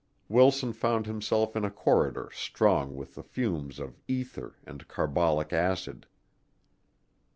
Wilson found himself in a corridor strong with the fumes of ether and carbolic acid.